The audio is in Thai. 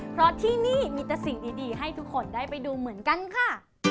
เพราะที่นี่มีแต่สิ่งดีให้ทุกคนได้ไปดูเหมือนกันค่ะ